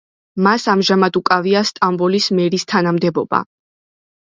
მას ამჟამად უკავია სტამბოლის მერის თანამდებობა.